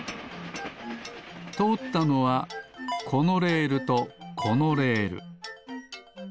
とおったのはこのレールとこのレール。